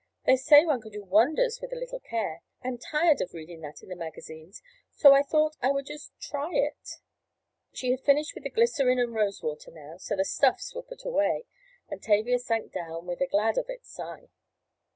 "They say one can do wonders with a little care. I am tired of reading that in the magazines so I thought I would just try it." She had finished with the glycerine and rose water now, so the "stuffs" were put away and Tavia sank down with a "glad of it" sigh.